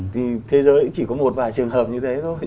thì thế giới chỉ có một vài trường hợp như thế thôi